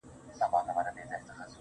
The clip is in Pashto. • هغه نجلۍ چي هر ساعت به یې پوښتنه کول.